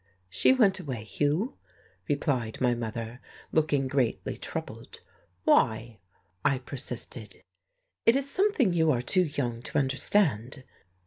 "She went away, Hugh," replied my mother, looking greatly troubled. "Why?" I persisted. "It is something you are too young to understand."